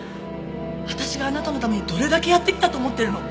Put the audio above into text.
私があなたのためにどれだけやってきたと思ってるの？